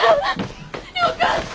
よかった。